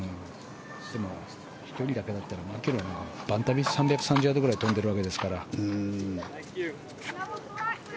飛距離だけだったら、マキロイは番手で３３０ヤードぐらい飛んでるわけですから。